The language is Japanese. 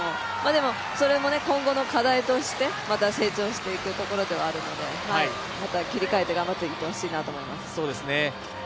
それも今後の課題としてまた成長していくところではあるのでまた切り替えて頑張っていってほしいなと思います。